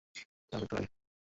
তার মৃত্যুর আগে।